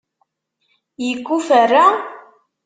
Yekuferra?